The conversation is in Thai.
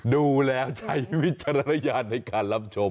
ดูแล้วใช้วิจารณญาณในการรับชม